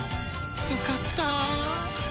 よかったあ。